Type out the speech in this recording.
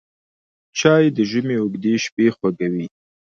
چای د ژمي اوږدې شپې خوږوي